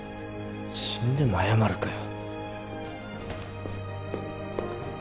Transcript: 死んでも謝るかよ